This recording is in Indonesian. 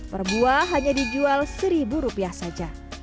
per buah hanya dijual seribu rupiah saja